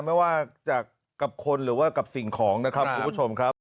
ไม่ว่าจากกับคนหรือว่ากับสิ่งของนะครับคุณผู้ชมครับ